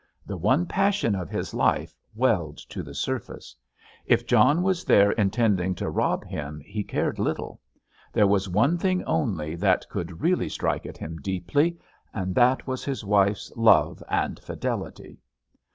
The one passion of his life welled to the surface. If John was there intending to rob him he cared little. There was one thing only that could really strike at him deeply, and that was his wife's love and fidelity.